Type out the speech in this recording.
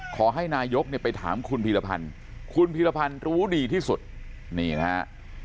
ขอให้นายกเนี่ยไปถามคุณพีรพันธ์คุณพีรพันธ์รู้ดีที่สุดนี่นะฮะ